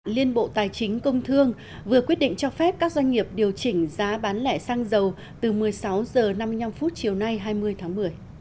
liên bộ tài chính công thương vừa quyết định cho phép các doanh nghiệp điều chỉnh giá bán lẻ xăng dầu từ một mươi sáu h năm mươi năm chiều nay hai mươi tháng một mươi